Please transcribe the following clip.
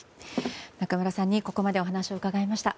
中村さんにここまでお話を伺いました。